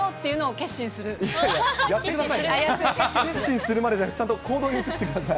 決心するまでじゃなくて、ちゃんと行動に移してください。